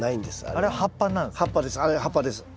あれは葉っぱです。